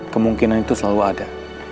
kemungkinan itu selalu ada